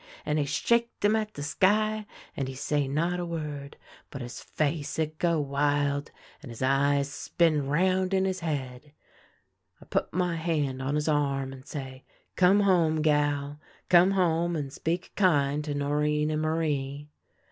and he shake them at the sky, and he say not a word, but his face, it go wild, and his eyes spin round in his head. I put my hand on his arm 132 THE LANE THAT HAD NO TURNING and say :* Come home, Gal. Come home, and speak kind to Norinne and Marie.'